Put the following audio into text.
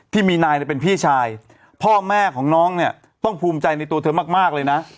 ที่มีนายเป็นพี่ชายพ่อแม่ของน้องเนี่ยต้องภูมิใจในตัวเธอมากเลยนะ